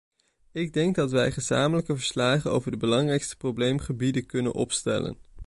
Ik denk dat wij gezamenlijke verslagen over de belangrijkste probleemgebieden kunnen opstellen.